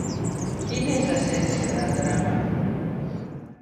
Quina és l'essència de la trama?